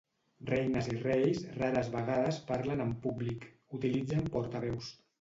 Reines i reis rares vegades parlen en públic: utilitzen portaveus.